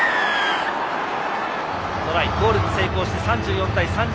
トライ、ゴールに成功して３３対３４。